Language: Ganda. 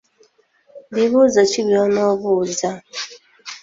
Bibuuzo ki by’onoobuuza?